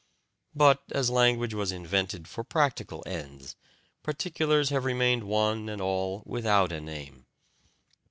But as language was invented for practical ends, particulars have remained one and all without a name.